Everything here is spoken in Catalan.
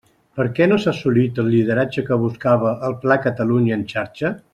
Per què no s'ha assolit el lideratge que buscava el Pla Catalunya en Xarxa?